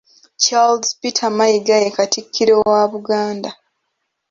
Charles Peter Mayiga ye Katikkiro wa Buganda.